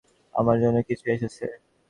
আমার জন্য কিছু এসেছে?